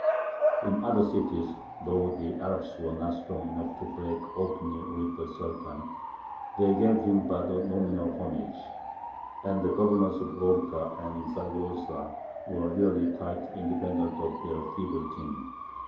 In other cities, though the Arabs were not strong enough to break openly with the Sultan, they gave him but a nominal homage; and the governors of Lorca and Zaragoza were really quite independent of their feeble king.